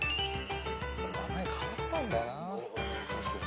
名前変わったんだよな。